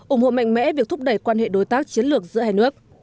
ủng hộ mạnh mẽ việc thúc đẩy quan hệ đối tác chiến lược giữa hai nước